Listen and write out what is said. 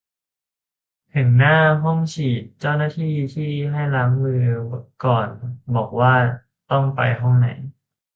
ถึงหน้าห้องฉีด เจ้าหน้าที่ให้ล้างมือ ก่อนบอกว่าต้องไปห้องไหน